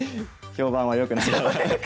評判は良くない！